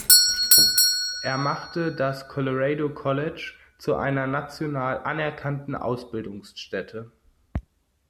Er machte das Colorado College zu einer national anerkannten Ausbildungsstätte.